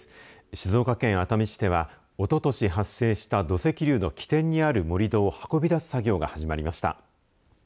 静岡県熱海市ではおととし発生した土石流の起点にある盛り土を運び出す作業が始まりました。